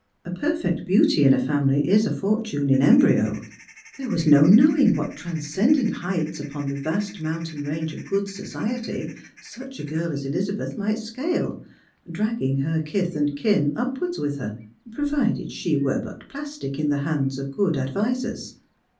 A perfect beauty in a family is a fortune in imbryo. There was no knowing what transcendent heights upon the vast mountain range of " good society " such a girl as Elizabeth might scale, dragging hrr kith and kin upwards with her ; i^rovided she were but plastic iu the hands of good advisers.